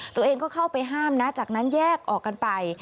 ตัวเองก็เข้าไปห้ามนะจากนั้นแยกออกกันไป